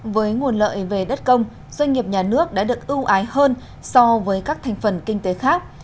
với nguồn lợi về đất công doanh nghiệp nhà nước đã được ưu ái hơn so với các thành phần kinh tế khác